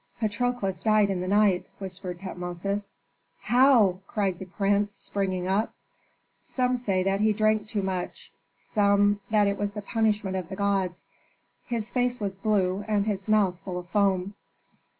"Patrokles died in the night," whispered Tutmosis. "How?" cried the prince, springing up. "Some say that he drank too much, some that it was the punishment of the gods. His face was blue and his mouth full of foam."